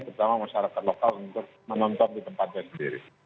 terutama masyarakat lokal untuk menonton di tempatnya sendiri